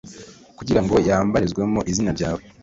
kugira ngo yambarizwemo izina ryawe